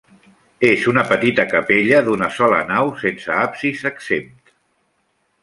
És una petita capella d'una sola nau, sense absis exempt.